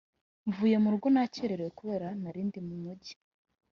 Mvuye murugo nakererewe kubera narindi mumujyi